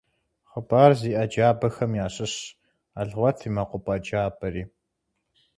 Хъыбар зиӏэ джабэхэм ящыщщ «Алгъуэт и мэкъупӏэ джабэри».